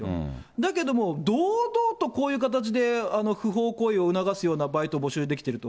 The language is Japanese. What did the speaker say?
だけども、堂々とこういう形で不法行為を促すようなバイトを募集できてると。